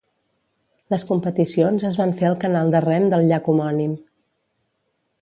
Les competicions es van fer al canal de rem del llac homònim.